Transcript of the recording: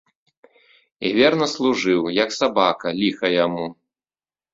І верна служыў, як сабака, ліха яму.